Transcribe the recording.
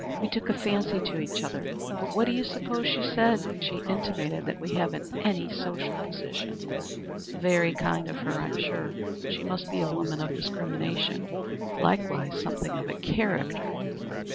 We took a fancy to each other. But what do you suppose she said? She intimated that we haven't any social position." "Very kind of her, I'm sure. She must be a woman of discrimination likewise something of a character."